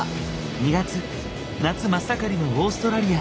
２月夏真っ盛りのオーストラリア。